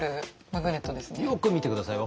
よく見て下さい。